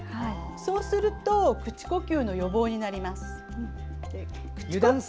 そうすると口呼吸の予防になります。